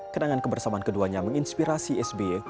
kenangan kebersamaan keduanya menginspirasi sby